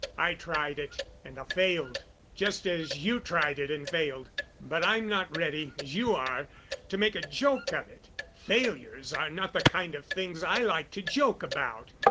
"I tried it and I failed, just as you tried it and failed, but I'm not ready, as you are, to make a joke of it. Failures are not the kind of things I like to joke about.